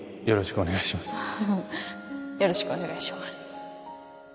よろしくお願いします